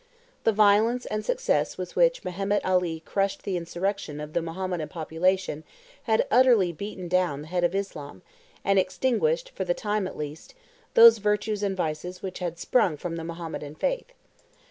The violence and success with which Mehemet Ali crushed the insurrection of the Mahometan population had utterly beaten down the head of Islam, and extinguished, for the time at least, those virtues and vices which had sprung from the Mahometan faith.